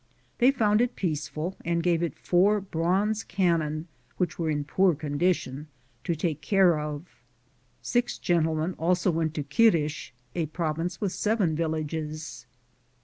They found it peaceful and gave it four bronze cannon, which were in poor condition, to take care of. Six gentlemen also went to Quirix, a province with seven villages.